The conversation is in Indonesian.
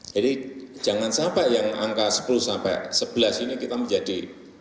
jadi jangan sampai yang angka sepuluh sebelas ini kita menjadi